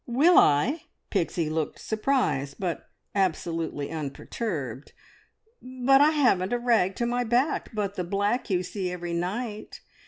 "Will I?" Pixie looked surprised, but absolutely unperturbed. "But I haven't a rag to my back but the black you see every night!